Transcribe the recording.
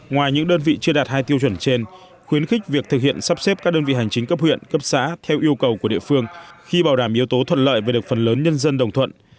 ngoài những đơn vị chưa đạt hai tiêu chuẩn trên khuyến khích việc thực hiện sắp xếp các đơn vị hành chính cấp huyện cấp xã theo yêu cầu của địa phương khi bảo đảm yếu tố thuận lợi về được phần lớn nhân dân đồng thuận